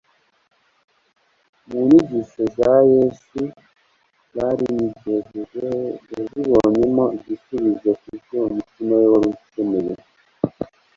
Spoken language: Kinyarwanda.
Mu nyigisho za Kristo barinigejejeho, yazibonyemo igisubizo kubyo umutima we wari ukeneye.